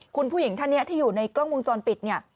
คุณผู้หญิงท่านนี้ที่อยู่ในกล้องวงจรปิดเนี่ย